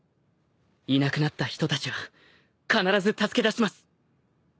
いなくなった人たちは必ず助け出します。